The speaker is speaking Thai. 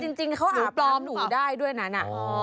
แต่จริงเขาอาบน้ำหนูได้ด้วยนั้น